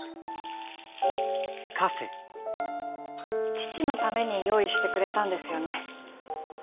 父のために用意してくれたんですよね。